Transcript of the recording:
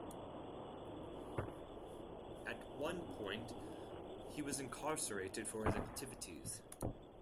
At one point, he was incarcerated for his activities.